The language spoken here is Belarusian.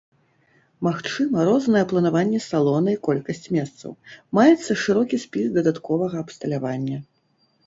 Магчыма рознае планаванне салона і колькасць месцаў, маецца шырокі спіс дадатковага абсталявання.